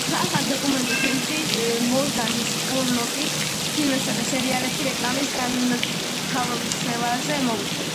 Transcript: ახალ დოკუმენტურ ფილმში, მორგან სპურლოკი ფილმებსა და სერიალებში რეკლამის განთავსებაზე მოგვითხრობს.